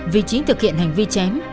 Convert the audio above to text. vị trí thực hiện hành vi chém